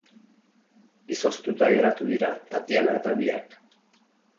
Izoztuta geratu dira Tatiana eta biak.